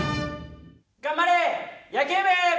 頑張れ野球部！